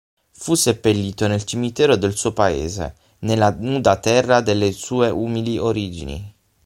Fu seppellito nel cimitero del suo paese, nella nuda terra delle sue umili origini.